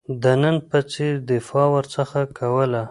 د نن په څېر دفاع ورڅخه کوله.